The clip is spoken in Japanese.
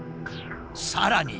さらに。